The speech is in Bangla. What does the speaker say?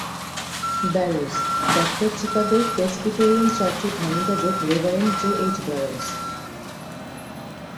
ব্যারোজ, ডক্টর চিকাগোর প্রেসবিটেরিয়ান চার্চের ধর্মযাজক রেভারেণ্ড জে, এইচ ব্যারোজ।